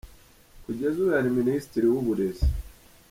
- Kugeza ubu yari Minisitiri w’Uburezi.